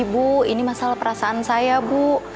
ibu ini masalah perasaan saya bu